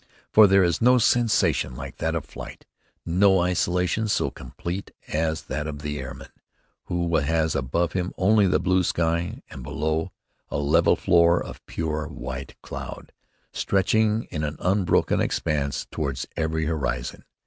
For there is no sensation like that of flight, no isolation so complete as that of the airman who has above him only the blue sky, and below, a level floor of pure white cloud, stretching in an unbroken expanse toward every horizon.